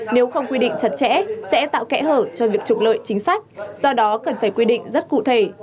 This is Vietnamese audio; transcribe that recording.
nếu không quy định chặt chẽ sẽ tạo kẽ hở cho việc trục lợi chính sách do đó cần phải quy định rất cụ thể